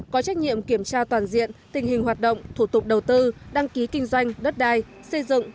có trách nhiệm kiểm tra toàn diện tình hình hoạt động thủ tục đầu tư đăng ký kinh doanh đất đai xây dựng